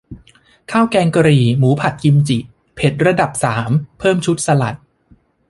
ข้าวแกงกะหรี่หมูผัดกิมจิ เผ็ดระดับสาม เพิ่มชุดสลัด